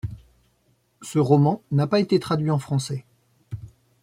Ce roman n'a pas été traduit en français.